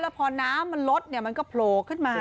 แล้วพอน้ำมันลดเนี่ยมันก็โผล่ขึ้นมา